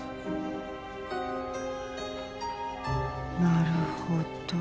なるほど。